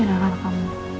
enggak bisa percaya sama gua